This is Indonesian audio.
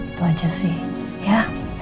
itu aja sih ya